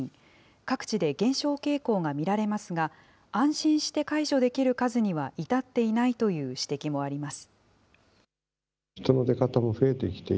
各地で減少傾向が見られますが、安心して解除できる数には至っていないという指摘もあります。